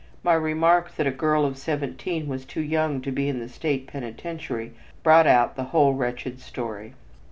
My remark that a girl of seventeen was too young to be in the state penitentiary brought out the whole wretched story.